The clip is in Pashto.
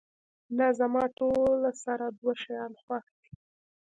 نه، زما ټول سره دوه شیان خوښ دي.